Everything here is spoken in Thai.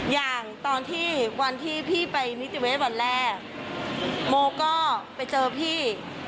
อย่างตอนที่วันที่พี่ไปนิติเวศวันแรกโมก็ไปเจอพี่